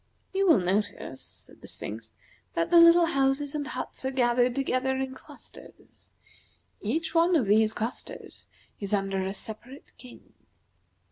"You will notice," said the Sphinx, "that the little houses and huts are gathered together in clusters. Each one of these clusters is under a separate king."